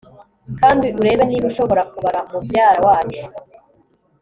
Kandi urebe niba ushobora kubara mubyara wacu